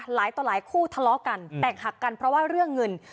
หลายต่อหลายคู่ทะเลาะกันแตกหักกันเพราะว่าเรื่องเงิน